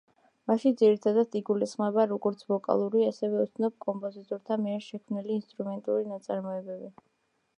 მასში ძირითადად იგულისხმება როგორც ვოკალური, ასევე უცნობ კომპოზიტორთა მიერ შექმნილი ინსტრუმენტული ნაწარმოებები.